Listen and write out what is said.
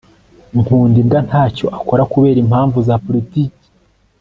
nkunda imbwa ntacyo akora kubera impamvu za politiki